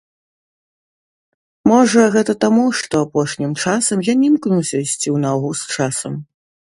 Можа, гэта таму, што апошнім часам я не імкнуся ісці ў нагу з часам.